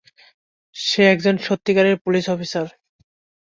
সে একজন সত্যিকারের police officer.